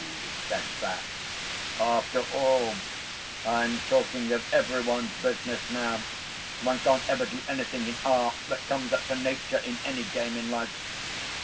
said Bat. 'After all I'm talking of every one's business now one can't ever do anything in Art that comes up to Nature in any game in life.